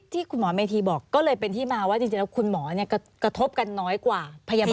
ที่คุณหมอเมธีบอกก็เลยเป็นที่มาว่าจริงแล้วคุณหมอกระทบกันน้อยกว่าพยาบาล